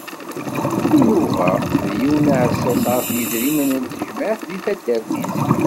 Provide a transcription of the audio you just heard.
Inuba d yiwen n uɛessas ɣef yedrimen n tejmaɛt deg tadart-is.